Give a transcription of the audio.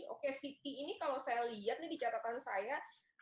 oke city ini kalau saya lihat nih di catatan saya